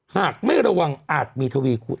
หากไม่ระวังอาจมีทวีคูณ